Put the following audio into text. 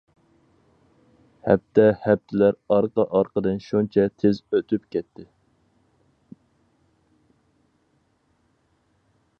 ھەپتە ھەپتىلەر ئارقا ئارقىدىن شۇنچە تېز ئۆتۈپ كەتتى.